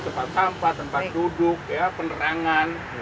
tempat sampah tempat duduk penerangan